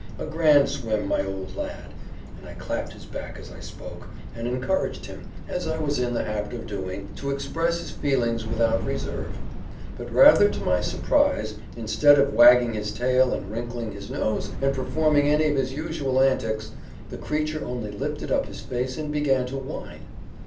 'A grand swim, my old lad'; and I clapped his back as I spoke, and encouraged him, as I was in the habit of doing, to express his feelings without reserve. But, rather to my surprise, instead of wagging his tail, and wrinkling his nose, and performing any of his usual antics, the creature only lifted up his face and began to whine.